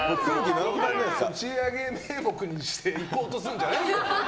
打ち上げ名目にして行こうとしてるんじゃないよ。